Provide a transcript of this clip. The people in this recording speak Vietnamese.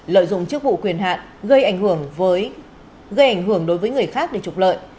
lợi dụng chức vụ quyền hạn gây ảnh hưởng đối với người khác để trục lợi